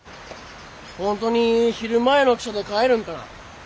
本当に昼前の汽車で帰るんかな？